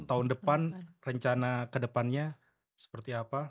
tahun depan rencana kedepannya seperti apa